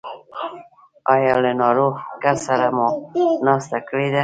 ایا له ناروغ کس سره مو ناسته کړې ده؟